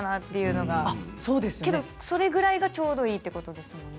けどそれぐらいがちょうどいいということですもんね。